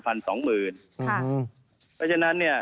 เพราะฉะนั้นเนี่ย